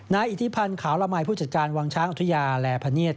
อิทธิพันธ์ขาวละมัยผู้จัดการวังช้างอุทยาและพะเนียด